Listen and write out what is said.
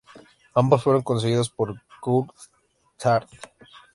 Ambos fueron conseguidos por Coulthard.